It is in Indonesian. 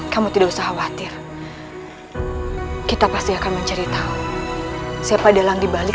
kamu tidak usah khawatir kita pasti akan mencari tahu siapa adalah yang dibalik